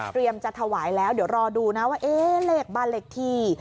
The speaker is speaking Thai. จะถวายแล้วเดี๋ยวรอดูนะว่าเอ๊ะเลขบ้านเลขที่